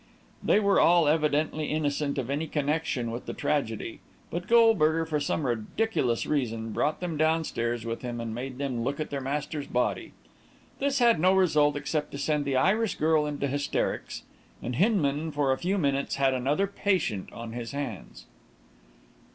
They were all evidently innocent of any connection with the tragedy; but Goldberger, for some ridiculous reason, brought them downstairs with him and made them look at their master's body. This had no result except to send the Irish girl into hysterics, and Hinman for a few minutes had another patient on his hands.